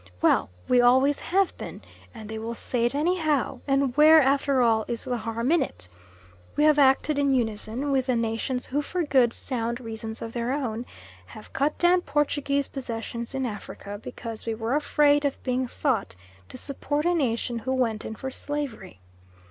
Well, we always have been, and they will say it anyhow; and where after all is the harm in it? We have acted in unison with the nations who for good sound reasons of their own have cut down Portuguese possessions in Africa because we were afraid of being thought to support a nation who went in for slavery.